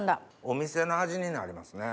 お店の味になりますね。